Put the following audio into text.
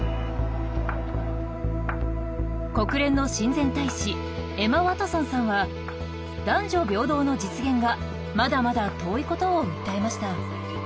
国連の親善大使エマ・ワトソンさんは男女平等の実現がまだまだ遠いことを訴えました。